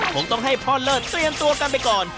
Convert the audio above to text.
คงต้องให้พ่อเลิศเตรียมตัวกันไปก่อน